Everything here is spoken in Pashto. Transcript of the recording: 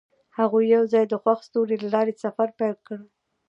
هغوی یوځای د خوښ ستوري له لارې سفر پیل کړ.